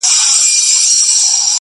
سپی مي دغه هدیره کي ښخومه،